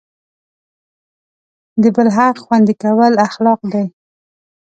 د بل حق خوندي کول اخلاق دی.